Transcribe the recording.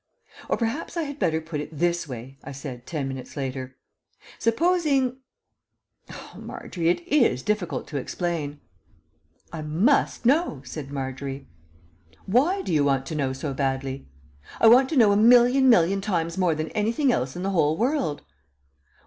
..... "Or perhaps I had better put it this way," I said ten minutes later. "Supposing Oh, Margery, it is difficult to explain." "I must know," said Margery. "Why do you want to know so badly?" "I want to know a million million times more than anything else in the whole world."